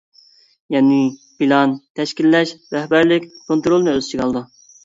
يەنى: پىلان، تەشكىللەش، رەھبەرلىك، كونترولنى ئۆز ئىچىگە ئالىدۇ.